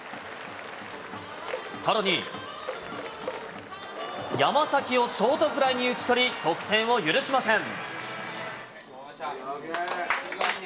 さらに山崎をショートフライに打ち取り、得点を許しません。